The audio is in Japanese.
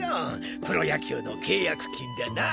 プロ野球の契約金でな。